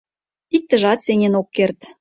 Иктыжат сеҥен ок керт.